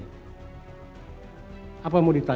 apa yang mau ditanya